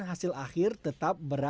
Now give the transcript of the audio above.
hasil akhir tetap berdekatan